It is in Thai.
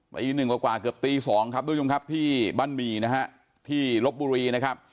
ปี๑กว่าเกือบปี๒ครับทุกทุกคนครับที่บ้านมีนะฮะที่รบบุรีนะครับ